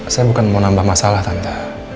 saya bukan mau nambah masalah tante